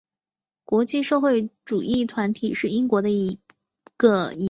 国际社会主义团体是英国的一个已不存在的托洛茨基主义组织。